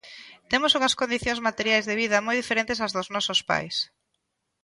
Temos unhas condicións materiais de vida moi diferentes ás dos nosos pais.